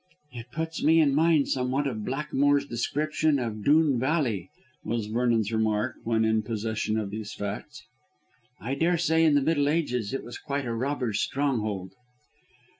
"It puts me in mind somewhat of Blackmore's description of Doon Valley," was Vernon's remark when in possession of these facts. "I daresay in the Middle Ages it was quite a robbers' stronghold."